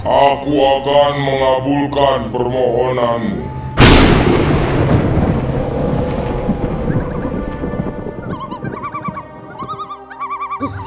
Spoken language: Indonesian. aku akan mengabulkan permohonamu